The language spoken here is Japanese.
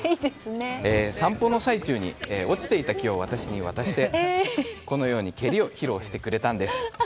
散歩の最中に落ちていた木を私に渡してこのように蹴りを披露してくれたんです。